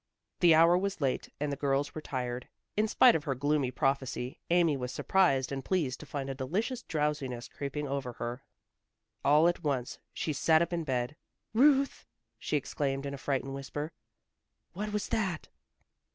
The hour was late and the girls were tired. In spite of her gloomy prophecy, Amy was surprised and pleased to find a delicious drowsiness creeping over her. All at once she sat up in bed. "Ruth," she exclaimed in a frightened whisper, "what was that?"